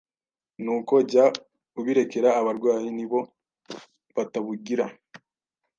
nuko jya ubirekera abarwayi nibo batabugira